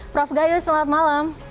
prof gayus selamat malam